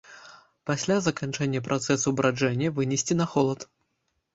Пасля заканчэння працэсу браджэння вынесці на холад.